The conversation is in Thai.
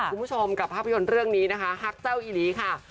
คุณผู้ชมกับภาพยนตร์เรื่องนี้นะคะฮักเจ้าอีหลีค่ะ